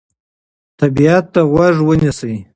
طبیعت ته غوږ ونیسئ.